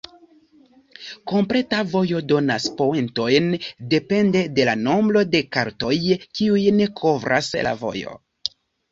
Kompleta vojo donas poentojn depende de la nombro de kartoj, kiujn kovras la vojo.